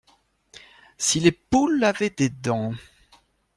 Si les poules avaient des dents.